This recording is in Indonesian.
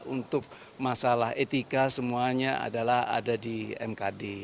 untuk masalah etika semuanya adalah ada di mkd